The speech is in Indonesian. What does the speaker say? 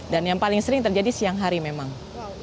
dan yang paling sering terjadi siang hari memang